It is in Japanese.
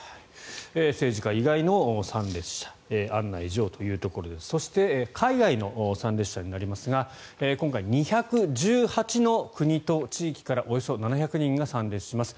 政治家以外の参列者案内状というところでそして海外の参列者になりますが今回、２１８の国と地域からおよそ７００人が参列します。